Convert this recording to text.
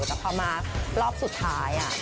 แต่พอมารอบสุดท้าย